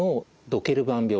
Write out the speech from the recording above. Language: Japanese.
ドケルバン病。